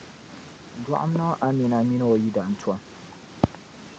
Dɔɣim niŋ Amina mini o yidana tom.